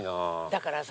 だからさ